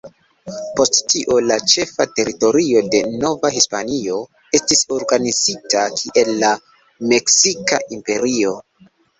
Post tio, la ĉefa teritorio de Nova Hispanio estis organizita kiel la Meksika Imperio.